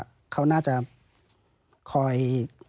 ปีอาทิตย์ห้ามีสปีอาทิตย์ห้ามีส